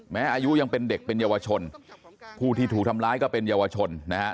อายุยังเป็นเด็กเป็นเยาวชนผู้ที่ถูกทำร้ายก็เป็นเยาวชนนะฮะ